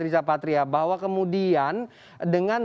sehat pak ya